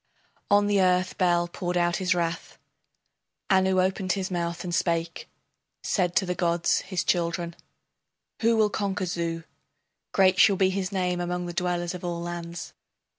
On the earth Bel poured out his wrath. Anu opened his mouth and spake, Said to the gods his children: Who will conquer Zu? Great shall be his name among the dwellers of all lands.